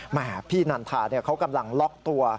มหาผู้นันทากำลังล็อกตัว